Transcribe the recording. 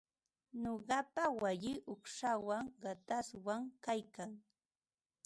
Nuqapa wayii uqshawan qatashqam kaykan.